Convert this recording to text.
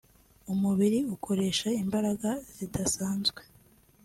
umubiri ukoresha imbaraga zidasanzwe